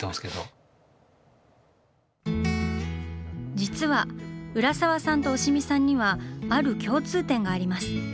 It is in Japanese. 実は浦沢さんと押見さんにはある共通点があります。